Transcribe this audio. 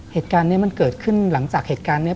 เหตุการณ์นี้มันเกิดขึ้นหลังจากเหตุการณ์นี้